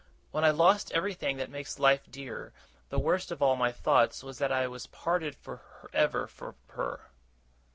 When I lost everything that makes life dear, the worst of all my thoughts was that I was parted for ever from her!